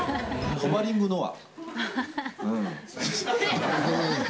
ホバリング乃愛。